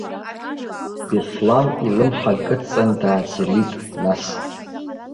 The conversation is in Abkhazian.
Беслан илымҳа кыдҵан дааӡырҩит, нас.